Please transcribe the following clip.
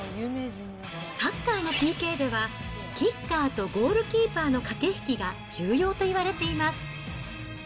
サッカーのＰＫでは、キッカーとゴールキーパーの駆け引きが重要といわれています。